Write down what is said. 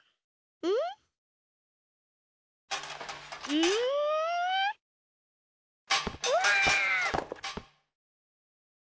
うわ！